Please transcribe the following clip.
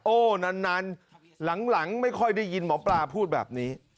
นานหลังไม่ค่อยได้ยินหมอปลาพูดแบบนี้